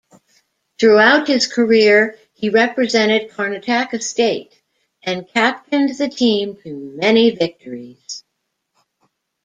Throughout his career, he represented Karnataka state and captained the team to many victories.